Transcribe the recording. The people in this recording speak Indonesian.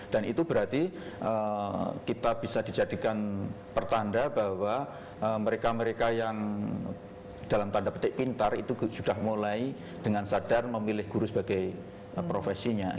dan itu berarti kita bisa dijadikan pertanda bahwa mereka mereka yang dalam tanda petik pintar itu sudah mulai dengan sadar memilih guru sebagai profesinya